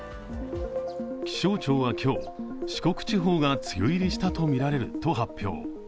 気象庁は今日、四国地方が梅雨入りしたとみられると発表。